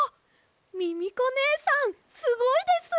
ミミコねえさんすごいです！